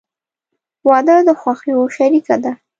• واده د خوښیو شریکه ده.